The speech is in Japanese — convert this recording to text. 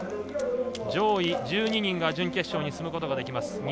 上位１２人が準決勝に進むことができます。